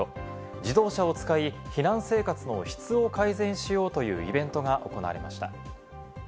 自動車を使い、避難生活の質を改善しようというイベントが行われました。